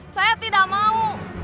saya tidak mau